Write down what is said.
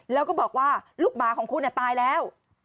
แล้วก็บอกว่าลูกหมาของคุณตายแล้ว